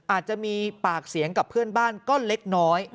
อาจจะมีปากเสียงกับเพื่อนบ้านก็เล็กน้อย